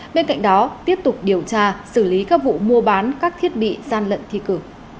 bên cạnh đó tiếp tục điều tra xử lý các vụ mua bán các thiết bị gian lận thi cử